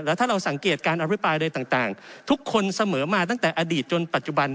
แล้วถ้าเราสังเกตการอภิปรายอะไรต่างทุกคนเสมอมาตั้งแต่อดีตจนปัจจุบัน